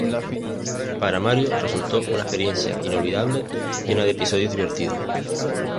Para Mario resultó una experiencia inolvidable, llena de episodios divertidos.